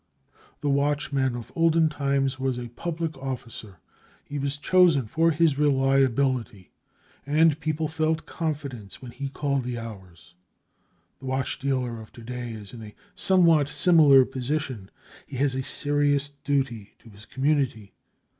The watchman of olden times was a public officer. He was chosen for his reliability, and people felt confidence when he called the hours. The watch dealer of to day is in a somewhat similar position; he has a serious duty to his community.